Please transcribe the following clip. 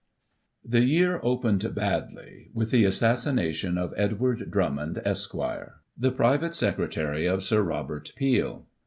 The year opened badly, with the assassination of Edward Drummond, Esqre., the private secretary of Sir Robert Peel.